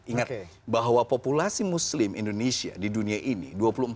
ingat bahwa populasi muslim indonesia di dunia ini